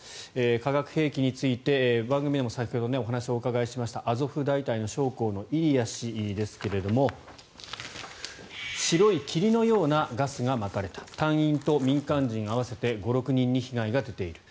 化学兵器について、番組でも先ほどお話を伺いましたアゾフ大隊の将校のイリヤ氏ですけれども白い霧のようなガスがまかれた隊員と民間人合わせて５６人に被害が出ている。